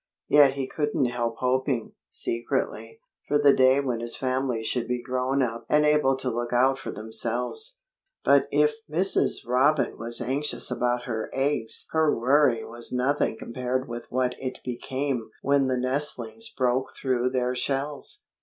Yet he couldn't help hoping, secretly, for the day when his family should be grown up and able to look out for themselves. But if Mrs. Robin was anxious about her eggs her worry was nothing compared with what it became when the nestlings broke through their shells.